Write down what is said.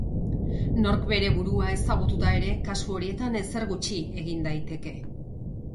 Nork bere burua ezagututa ere, kasu horietan ezer gutxi egin daiteke.